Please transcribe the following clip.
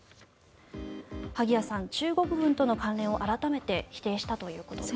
萩谷さん、中国軍との関連を改めて否定したということです。